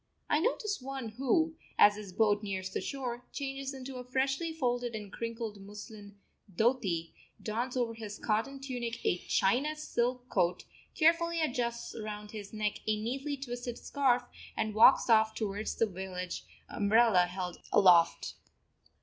I notice one who, as his boat nears the shore, changes into a freshly folded and crinkled muslin dhoti, dons over his cotton tunic a China silk coat, carefully adjusts round his neck a neatly twisted scarf, and walks off towards the village, umbrella held aloft.